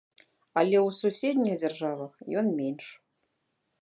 Але ў суседніх дзяржавах ён менш.